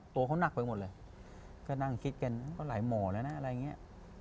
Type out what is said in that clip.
ตัวเขาหนักไปหมดเลย